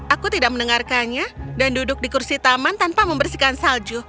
aku tidak mendengarkannya dan duduk di kursi taman tanpa membersihkan salju